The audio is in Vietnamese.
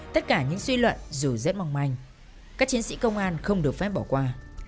tất cả những suy luận dù rất mong manh các chiến sĩ công an không được phép bỏ qua